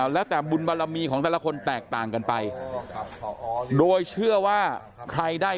แล้วแต่บุญบารมีของแต่ละคนแตกต่างกันไปโดยเชื่อว่าใครได้